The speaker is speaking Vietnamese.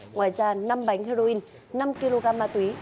ngoài ra năm bánh heroin năm kg ma túy